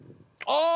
ああ！